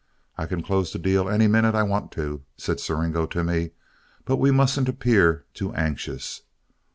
"I can close the deal any minute I want to," said Siringo to me, "but we mustn't appear too anxious.